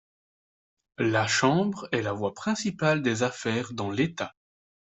La chambre est la voix principale des affaires dans l'État.